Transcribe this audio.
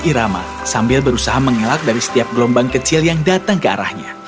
irama sambil berusaha mengelak dari setiap gelombang kecil yang datang ke arahnya